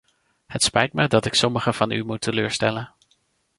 Het spijt me dat ik sommigen van u moet teleurstellen.